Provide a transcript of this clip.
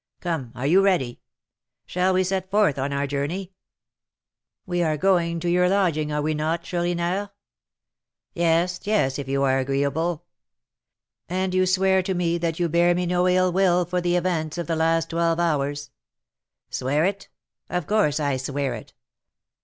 Come, are you ready? Shall we set forth on our journey?" "We are going to your lodging, are we not, Chourineur?" "Yes, yes, if you are agreeable." "And you swear to me that you bear me no ill will for the events of the last twelve hours?" "Swear it? Of course I swear it.